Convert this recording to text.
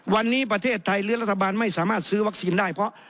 วันนี้ประเทศไทยหรือรัฐบาลไม่สามารถซื้อวัคซีนได้เพราะ